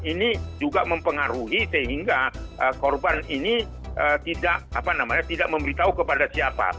ini juga mempengaruhi sehingga korban ini tidak memberitahu kepada siapa